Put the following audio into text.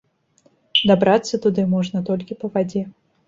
Дабрацца туды можна толькі па вадзе.